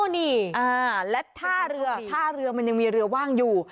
อ๋อนี่อ่าและถ้าเรือถ้าเรือมันยังมีเรือว่างอยู่